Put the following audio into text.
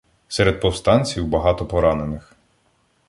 Серед повстанців багато поранених.